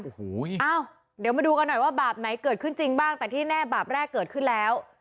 โอ้โหอ้าวเดี๋ยวมาดูกันหน่อยว่าบาปไหนเกิดขึ้นจริงบ้างแต่ที่แน่บาปแรกเกิดขึ้นแล้ว